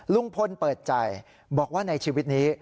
ลุงพลเปิดใจบอกว่าในชีวิตนี้